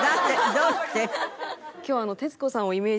どうして？